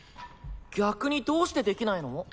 逆にどうしてできないの？